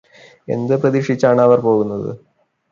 എന്ത് പ്രതീക്ഷിച്ചാണ് അവര് പോകുന്നത്